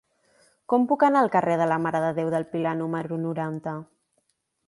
Com puc anar al carrer de la Mare de Déu del Pilar número noranta?